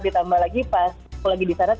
ditambah lagi pas aku lagi di sana